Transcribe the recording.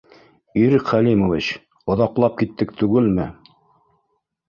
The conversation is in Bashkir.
— Ирек Хәлимович, оҙаҡлап киттек түгелме?